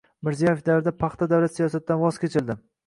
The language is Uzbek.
Mirziyoyev davrida paxta davlat siyosatidan voz kechildi.